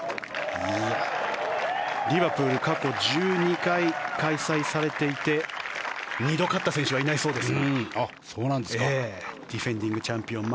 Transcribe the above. リバプール過去１２回開催されていて２度勝った選手はいないそうです。